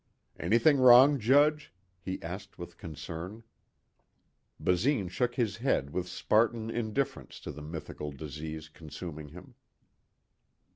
"Anything wrong, Judge?" he asked with concern. Basine shook his head with Spartan indifference to the mythical disease consuming him.